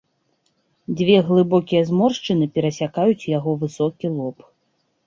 Дзве глыбокія зморшчыны перасякаюць яго высокі лоб.